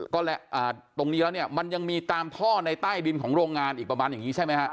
ก็ตรงนี้แล้วเนี่ยมันยังมีตามท่อในใต้ดินของโรงงานอีกประมาณอย่างนี้ใช่ไหมฮะ